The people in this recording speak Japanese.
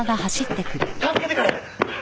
助けてくれ！